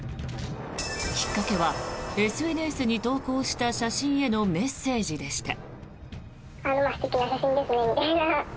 きっかけはＳＮＳに投稿した写真へのメッセージでした。